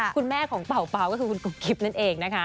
คุณแม่ของ๑เบาก็คือกูปกริบนั่นเองนะคะ